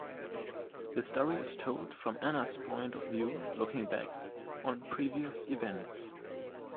The story is told from Anna's point of view- looking back on previous events.